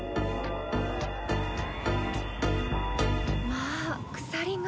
まあ鎖が。